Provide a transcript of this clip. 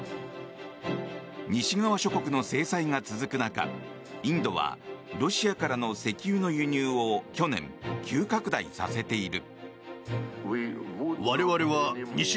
西側諸国の制裁が続く中インドはロシアからの石油の輸入を去年、急拡大させている。